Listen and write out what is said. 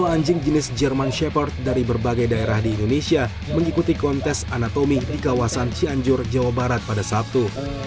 sepuluh anjing jenis jerman shepherd dari berbagai daerah di indonesia mengikuti kontes anatomi di kawasan cianjur jawa barat pada sabtu